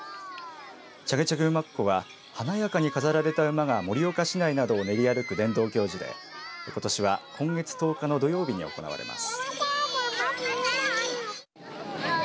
チャグチャグ馬コは華やかに飾られた馬が盛岡市内などを練り歩く伝統行事でことしは今月１０日の土曜日に行われます。